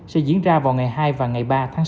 sẽ diễn ra vào ngày hai và ngày ba tháng sáu